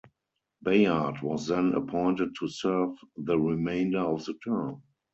Bayard was then appointed to serve the remainder of the term.